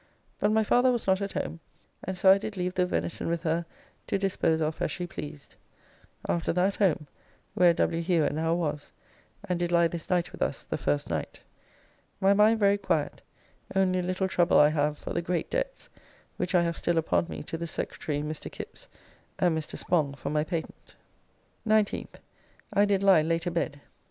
But my father was not at home, and so I did leave the venison with her to dispose of as she pleased. After that home, where W. Hewer now was, and did lie this night with us, the first night. My mind very quiet, only a little trouble I have for the great debts which I have still upon me to the Secretary, Mr. Kipps, and Mr. Spong for my patent. 19th. I did lie late a bed.